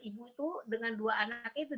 ibu itu dengan dua anak itu